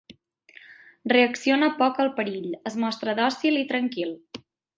Reacciona poc al perill, es mostra dòcil i tranquil.